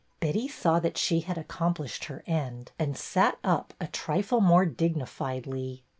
Betty saw that she had accomplished her end, and sat up a trifle more dignifiedly.